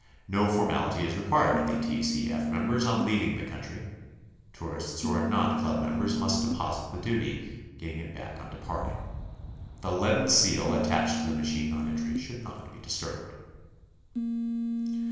No formality is required of T. C. F. members on leaving the country. Tourists who are not club members must deposit the duty, getting it back on departing. The leaden seal attached to the machine on entry should not be disturbed.